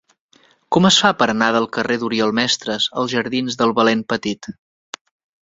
Com es fa per anar del carrer d'Oriol Mestres als jardins del Valent Petit?